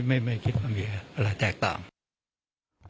ไม่มีอะไรแตกต่าง